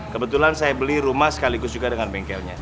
kebetulan saya beli rumah sekaligus juga dengan bengkelnya